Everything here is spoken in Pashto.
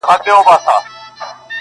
او فضول ته ابته و بېکاره څه ویلی شو